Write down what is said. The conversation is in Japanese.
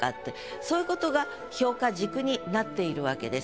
そういうことが評価軸になっているわけです。